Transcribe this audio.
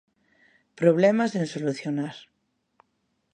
Problema sen solucionar.